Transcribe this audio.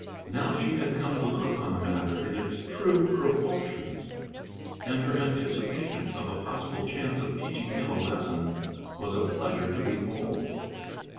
Now she had come to look upon the matter in its true proportions, and her anticipation of a possible chance of teaching him a lesson was a pleasure to behold.